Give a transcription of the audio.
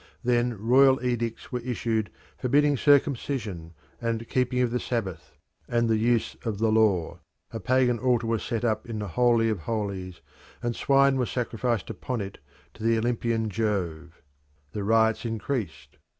Then royal edicts were issued forbidding circumcision, and keeping of the Sabbath, and the use of the law. A pagan altar was set up in the Holy of Holies, and swine were sacrificed upon it to the Olympian Jove. The riots increased.